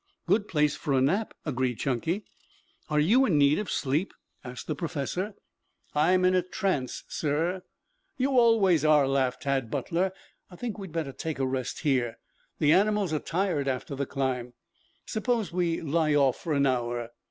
"Good place for a nap," agreed Chunky. "Are you in need of sleep?" asked the professor. "I'm in a trance, sir." "You always are," laughed Tad Butler. "I think we had better take a rest here. The animals are tired after the climb. Suppose we lie off for an hour?"